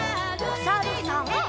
おさるさん。